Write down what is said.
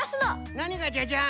なにがじゃじゃん？